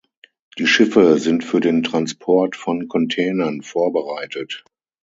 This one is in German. Die Schiffe sind für den Transport von Containern vorbereitet.